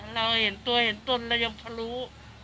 เราเห็นตัวเห็นต้นเรายังพอรู้